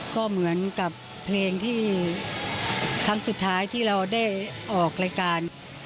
ก็เหมือนกับเพลงที่ครั้งสุดท้ายที่เราได้ออกรายการ